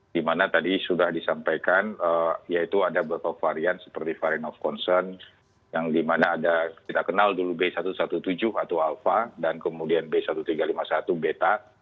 di mana tadi sudah disampaikan yaitu ada beberapa varian seperti varian of concern yang dimana ada kita kenal dulu b satu satu tujuh atau alpha dan kemudian b seribu tiga ratus lima puluh satu beta